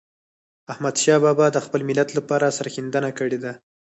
احمدشاه بابا د خپل ملت لپاره سرښندنه کړې ده.